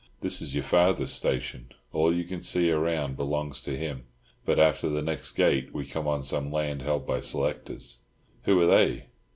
"This is your father's station. All you can see around belongs to him; but after the next gate we come on some land held by selectors." "Who are they?"